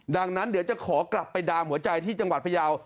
ดังนั้นเดี๋ยวจะขอกลับไปดามหัวใจที่จังหวัดพยาว